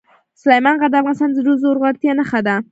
سلیمان غر د افغانستان د زرغونتیا نښه ده.